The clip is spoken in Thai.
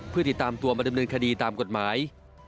เพื่อติดตามตัวมาดำเนินคดีตามกฎหมาย